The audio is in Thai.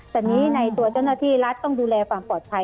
ตอนนี้ในตัวเช่นนาทีรัฐต้องดูแลสารเปลี่ยนปลอดภัย